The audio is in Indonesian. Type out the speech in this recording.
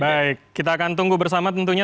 baik kita akan tunggu bersama tentunya